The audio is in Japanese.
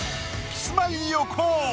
キスマイ横尾。